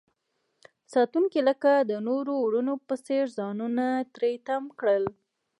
ساتونکي لکه د نورو ورونو په څیر ځانونه تری تم کړل.